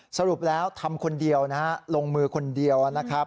สรุปแล้วทำคนเดียวนะฮะลงมือคนเดียวนะครับ